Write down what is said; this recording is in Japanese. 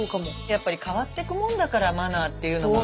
やっぱり変わってくもんだからマナーっていうのは。